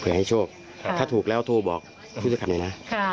เพื่อให้โชคถ้าถูกแล้วโทรบอกผู้จัดการหน่อยนะ